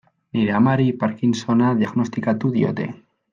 Nire amari Parkinsona diagnostikatu diote.